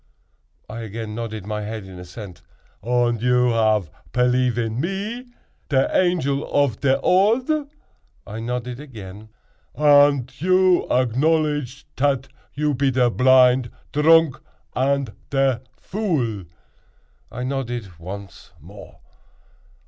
I again nodded my head in assent. "Und you ave pelief in me, te Angel of te Odd?" I nodded again. "Und you acknowledge tat you pe te blind dronk and te vool?" I nodded once more.